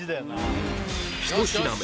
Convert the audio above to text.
１品目